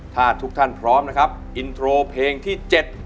ถ้าทุกท่านพร้อมนะครับอินโทรเพลงที่๗